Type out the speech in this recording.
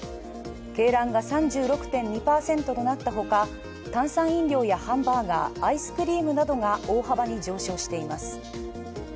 鶏卵が３６．２％となったほか炭酸飲料やハンバーガーアイスクリームなどが大幅に上昇しています。